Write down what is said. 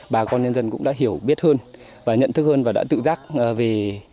bà con nhân dân cũng đã hiểu biết hơn và nhận thức hơn và đã tự giác về